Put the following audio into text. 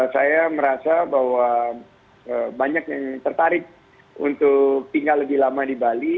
saya merasa bahwa banyak yang tertarik untuk tinggal lebih lama di bali